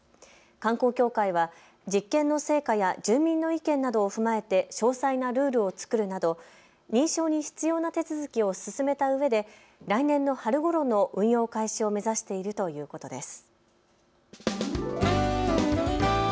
観光協会は実験の成果や住民の意見などを踏まえて詳細なルールを作るなど認証に必要な手続きを進めたうえで来年の春ごろの運用開始を目指しているということです。